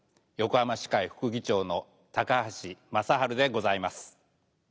横浜市会副議長の橋正治でございます。